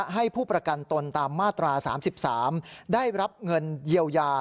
ให้ผู้ประกันตนตามมาตรา๓๓ได้รับเงินเยียวยา